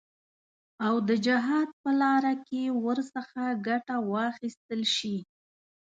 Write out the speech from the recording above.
او د جهاد په لاره کې ورڅخه ګټه واخیستل شي.